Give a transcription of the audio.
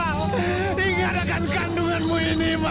ma ingatkan kandunganmu ini ma